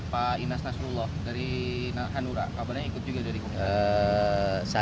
pak inas nasrullah dari hanura kabarnya ikut juga dari saya